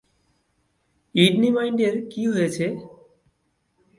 ইউনি-মাইন্ডের কী হয়েছে?